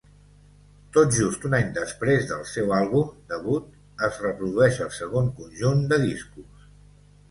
Tot just un any després del seu àlbum debut es reprodueix el segon conjunt de discos.